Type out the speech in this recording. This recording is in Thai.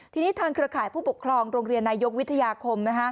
ทีนี้ทางเครือข่ายผู้ปกครองโรงเรียนนายกวิทยาคม